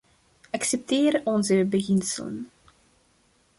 Accepteer onze beginselen.